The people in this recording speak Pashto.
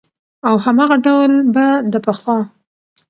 او هماغه ډول به د پخوا